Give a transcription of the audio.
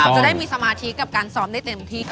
จะได้มีสมาธิกับการซ้อมได้เต็มที่ค่ะ